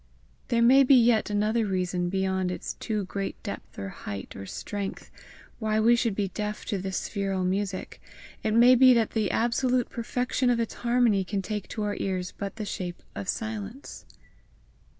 There may be yet another reason beyond its too great depth or height or strength, why we should be deaf to the spheral music; it may be that the absolute perfection of its harmony can take to our ears but the shape of silence.